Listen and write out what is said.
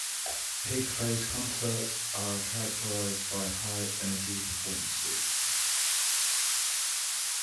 Pigface concerts are characterized by high-energy performances.